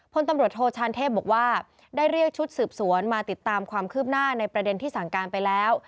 พลตำรวจโทชานเทพบอกว่าได้เรียกชุดสืบสวนมาติดตามความคืบหน้าในประเด็นที่สั่งการไปแล้ว